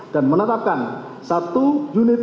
dan menetapkan satu unit